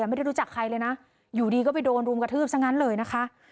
เดี๋ยวดูจากใครเลยนะอยู่ดีก็ไปโดนรุมกระทืบสักงั้นเลยนะคะ